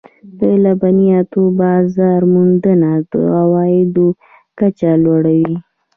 د لبنیاتو بازار موندنه د عوایدو کچه لوړوي.